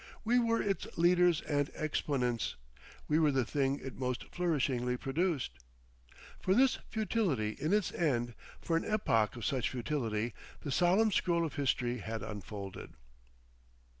We were its leaders and exponents, we were the thing it most flourishingly produced. For this futility in its end, for an epoch of such futility, the solemn scroll of history had unfolded....